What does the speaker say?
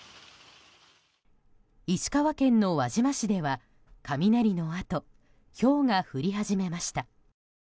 石川県の輪島市では雷のあとひょうが降り始めました。